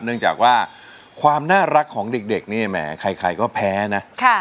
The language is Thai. เนื่องจากว่าความน่ารักของเด็กเนี่ยแหมใครก็แพ้นะ